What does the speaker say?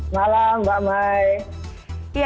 malam mbak mai